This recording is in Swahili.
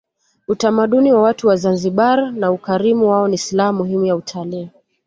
utamaduni wa watu wa zanzibar na ukarimu wao ni silaha muhimu ya utalii